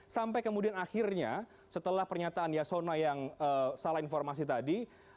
sampai kemudian akhirnya setelah pernyataan yasona yang salah informasi tadi